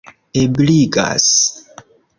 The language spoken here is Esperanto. ebligas